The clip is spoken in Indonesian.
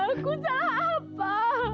aku salah apa